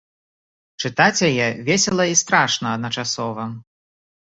Чытаць яе весела і страшна адначасова.